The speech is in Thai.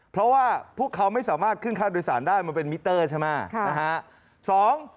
เพราะว่าพวกเขาไม่สามารถขึ้นค่าโดยสารได้มันเป็นมิเตอร์ใช่ไหม